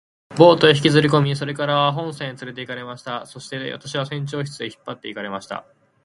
ボートへ引きずりこみ、それから本船へつれて行かれました。そして私は船長室へ引っ張って行かれました。